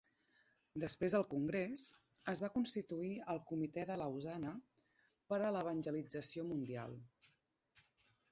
Després del congrés, es va constituir el Comitè de Lausana per a l'Evangelització Mundial.